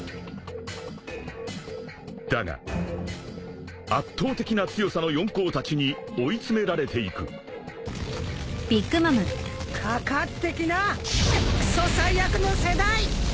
［だが圧倒的な強さの四皇たちに追い詰められていく］かかってきなクソ最悪の世代！